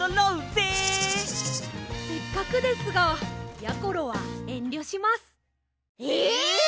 せっかくですがやころはえんりょします。え！